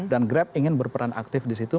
dan grab ingin berperan aktif disitu